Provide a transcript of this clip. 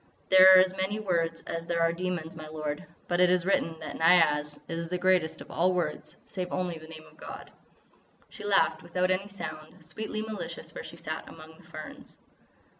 There are as many words as there are demons, my lord, but it is written that Niaz is the greatest of all words save only the name of God." She laughed without any sound, sweetly malicious where she sat among the ferns.